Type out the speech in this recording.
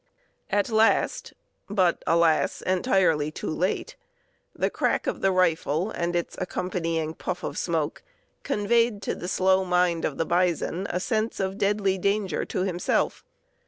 At last, but alas! entirely too late, the crack of the rifle and its accompanying puff of smoke conveyed to the slow mind of the bison a sense of deadly danger to himself.